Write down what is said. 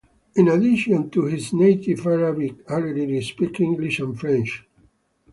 In addition to his native Arabic, Hariri speaks English and French.